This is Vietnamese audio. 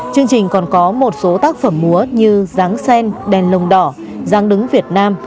chương trình còn có một số tác phẩm múa như dáng sen đèn lồng đỏ giáng đứng việt nam